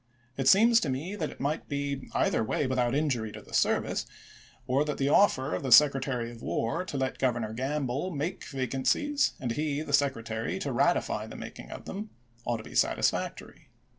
It seems to me that it might be either way without injury to the service ; or that the offer of the Secretary of War to let Governor Gamble make vacancies, and he, the Secretary, to ratify the making of them, ought to be satisfactory.